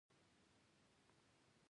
ایا زه باید په تیږو وګرځم؟